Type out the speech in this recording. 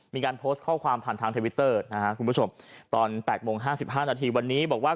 มีการโพสต์ข้อความผ่านทางทวิตเตอร์นะฮะคุณผู้ชมตอน๘โมงห้าสิบห้านาทีวันนี้บอกว่า